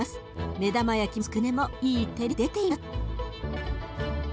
目玉焼きもつくねもいい照りが出ています。